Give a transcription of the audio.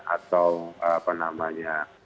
atau apa namanya